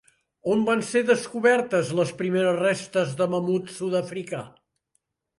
On van ser descobertes les primeres restes de mamut sud-africà?